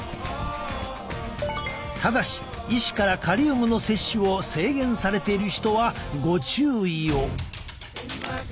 ただし医師からカリウムの摂取を制限されている人はご注意を。